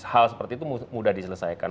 hal seperti itu mudah diselesaikan